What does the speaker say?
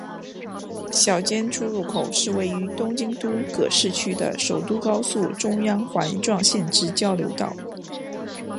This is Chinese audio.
小菅出入口是位于东京都葛饰区的首都高速中央环状线之交流道。